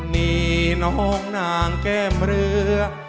นี่น้องนางแก้มเรือ